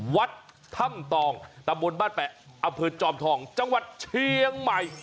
วัดธรรมตองตำบลบ้านแปะอเภิดจอมทองจังหวัดเชียงใหม่